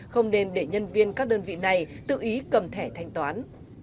không nên để nhân viên các đơn vị này tự ý cầm thẻ thanh toán